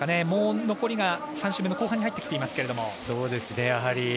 もう残りが３週目の後半に入ってきていますけれども。